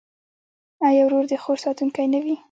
آیا ورور د خور ساتونکی نه وي؟